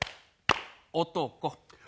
男。